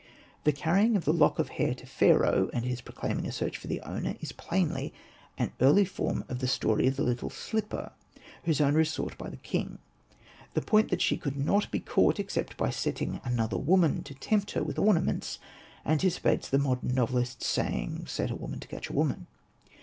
The carrying of the lock of hair to Pharaoh, and his proclaiming a search for the owner, is plainly an early form of the story of the little slipper, whose owner is sought by the king. The point that she could not be caught except by setting another woman to tempt her w4th ornaments, anticipates the modern novelist's saying, " Set a woman to catch a woman."